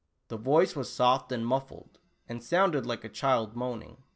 The yoice was soft and muffled, and sounded like a child moaning.